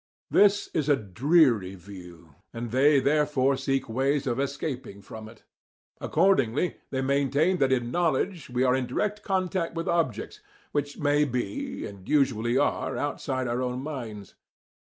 This is a dreary view, and they there fore seek ways of escaping from it. Accordingly they maintain that in knowledge we are in direct contact with objects, which may be, and usually are, outside our own minds.